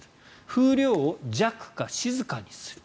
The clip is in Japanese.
風量を「弱」か「静か」にする。